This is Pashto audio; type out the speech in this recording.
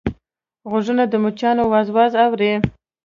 غوږونه د مچانو واز واز اوري